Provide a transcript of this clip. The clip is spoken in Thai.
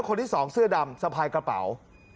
คนที่สองเสื้อดำสะพายกระเป๋า